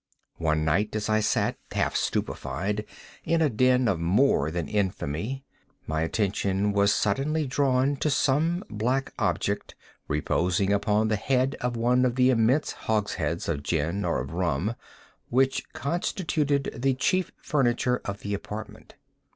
One night as I sat, half stupefied, in a den of more than infamy, my attention was suddenly drawn to some black object, reposing upon the head of one of the immense hogsheads of gin, or of rum, which constituted the chief furniture of the apartment.